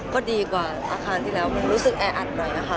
ก็ดีกว่าอาคารที่แล้วมันรู้สึกแออัดหน่อยนะคะ